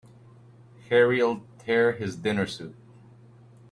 Harry'll tear his dinner suit.